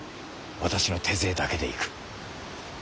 私の手勢だけで行く。